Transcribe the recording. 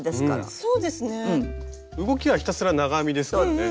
あそうですね。動きはひたすら長編みですからね。